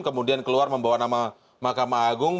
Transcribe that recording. kemudian keluar membawa nama mahkamah agung